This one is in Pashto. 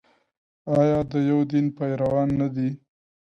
آیا د یو دین پیروان نه دي؟